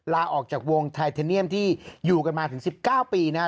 ลาออกจากวงไทเทเนียมที่อยู่กันมาถึง๑๙ปีนะครับ